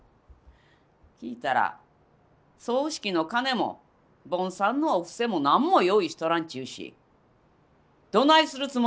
聞いたら葬式の金も坊さんのお布施も何も用意しとらんち言うしどないするつもりなんや？